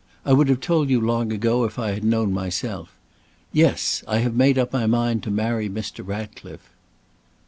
I would have told you long ago if I had known myself. Yes! I have made up my mind to marry Mr. Ratcliffe!"